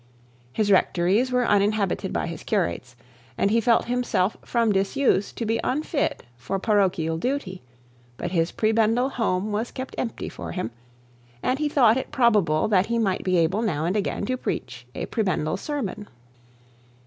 His rectories were inhabited by his curates, and he felt himself from disuse to be unfit for parochial duty; but his prebendal home was kept empty for him, and he thought it probable that he might be able now and again to preach a prebendal sermon.